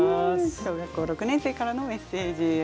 小学校６年生からのメッセージ。